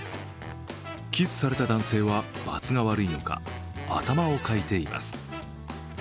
キスされた男性は、ばつが悪いのか頭をかいています。